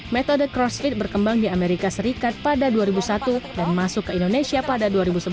metode crossfit berkembang di amerika serikat pada dua ribu satu dan masuk ke indonesia pada dua ribu sebelas